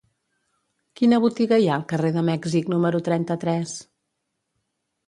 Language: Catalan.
Quina botiga hi ha al carrer de Mèxic número trenta-tres?